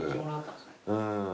うん。